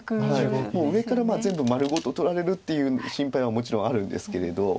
もう上から全部丸ごと取られるっていう心配はもちろんあるんですけれど。